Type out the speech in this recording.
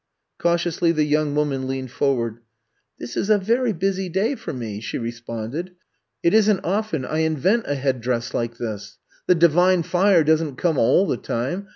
'' Cautiously the young woman leaned for ward. This is a very busy day for me," she I'VE COME TO STAY 15 responded. It isn't often I invent a headdress like this. The Divine Fire doesn't come all the time.